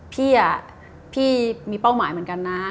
พี่พี่มีเป้าหมายเหมือนกันนะ